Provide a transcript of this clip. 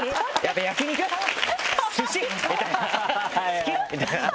「好き？」みたいな。